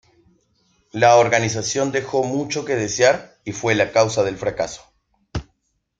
La organización dejó mucho que desear y fue la causa del fracaso.